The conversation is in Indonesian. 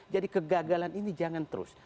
jadi kegagalan ini jangan terus